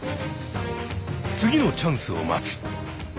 次のチャンスを待つ。